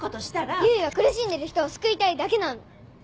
唯は苦しんでる人を救いたいだけなの。